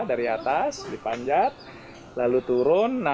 dari atas dipanjat lalu turun